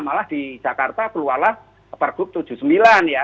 malah di jakarta keluarlah pergub tujuh puluh sembilan ya